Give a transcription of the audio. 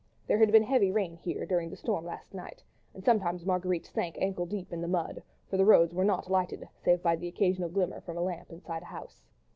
There had been heavy rain here during the storm last night, and sometimes Marguerite sank ankle deep in the mud, for the roads were not lighted save by the occasional glimmer from a lamp inside a house.